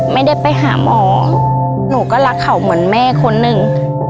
ไม่ได้ไปหาหมอหนูก็รักเขาเหมือนแม่คนหนึ่ง